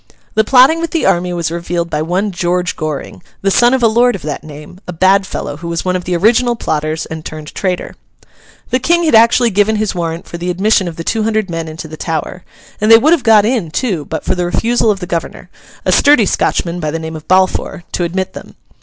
The plotting with the army was revealed by one George Goring, the son of a lord of that name: a bad fellow who was one of the original plotters, and turned traitor. The King had actually given his warrant for the admission of the two hundred men into the Tower, and they would have got in too, but for the refusal of the governor—a sturdy Scotchman of the name of Balfour—to admit them.